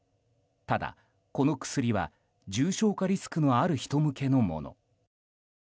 ただ、この薬は重症化リスクのある人向けのもの。